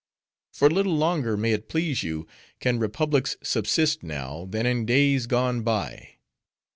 "For little longer, may it please you, can republics subsist now, than in days gone by.